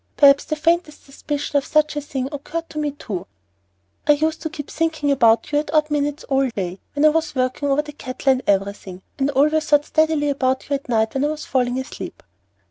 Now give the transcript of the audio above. Perhaps the faintest suspicion of such a thing occurred to me too." "I used to keep thinking about you at odd minutes all day, when I was working over the cattle and everything, and I always thought steadily about you at night when I was falling asleep."